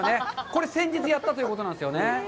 これ先日やったということなんですよね。